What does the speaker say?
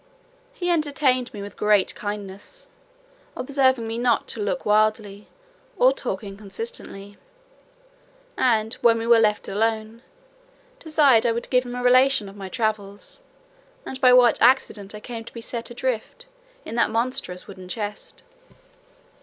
He entertained me with great kindness, observing me not to look wildly, or talk inconsistently: and, when we were left alone, desired I would give him a relation of my travels, and by what accident I came to be set adrift, in that monstrous wooden chest.